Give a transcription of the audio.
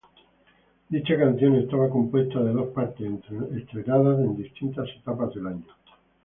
Dicha canción estaba compuesta de dos partes, estrenadas en distintas etapas del año.